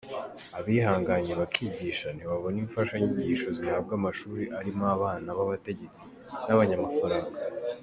Abihanganye bakigisha ntibabona imfashanyigisho zihabwa amashuri arimo abana b’abategetsi n’abanyamafaranga.